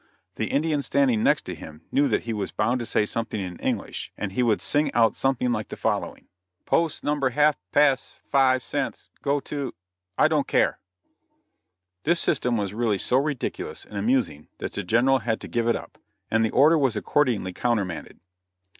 The Indian standing next to him knew that he was bound to say something in English, and he would sing out something like the following: "Poss number half pass five cents go to ! I don't care!" This system was really so ridiculous and amusing that the General had to give it up, and the order was accordingly countermanded.